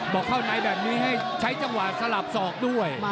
บอกเข้าในแบบนี้ให้ใช้จังหวะสลับศอกด้วย